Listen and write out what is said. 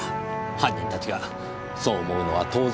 犯人たちがそう思うのは当然の事です。